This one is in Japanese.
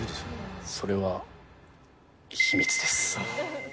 それは秘密です。